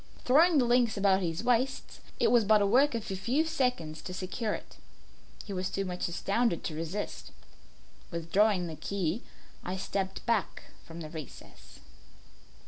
Throwing the links about his waist, it was but the work of a few seconds to secure it. He was too much astounded to resist. Withdrawing the key I stepped back from the recess.